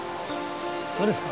そうですか？